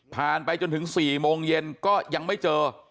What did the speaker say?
ไปจนถึง๔โมงเย็นก็ยังไม่เจอ